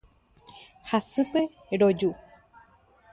Hasýpe roju.